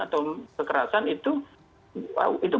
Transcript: atau kekerasan itu